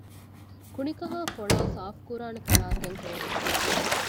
ކުނިކަހައި ފޮޅައި ސާފުކުރާނެ ފަރާތެއް ހޯދުމަށް